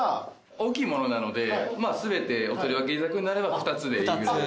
大きいものなので全てお取り分けいただくんであれば２つでいいぐらい。